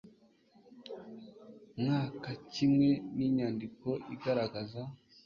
mwaka kimwe n inyandiko igaragaza